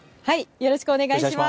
よろしくお願いします。